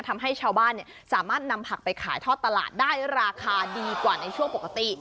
ทำให้ชาวบ้านสามารถนำผักไปขายทอดตลาดได้ราคาดีกว่าในช่วงปกติ